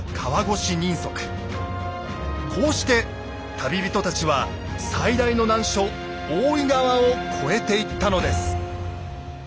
こうして旅人たちは最大の難所大井川を越えていったのです。